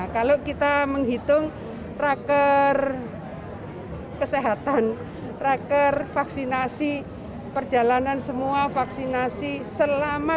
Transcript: kalau kita menghitung raker kesehatan tracker vaksinasi perjalanan semua vaksinasi selama